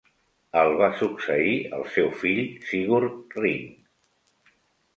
El va succeir el seu fill Sigurd Ring.